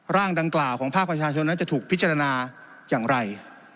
ร่างดังกล่าวของภาคประชาชนนั้นจะถูกพิจารณาอย่างไร